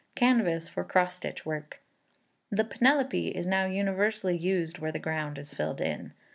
Canvas for Cross stitch Work. The Penelope is now universally used where the ground is filled in.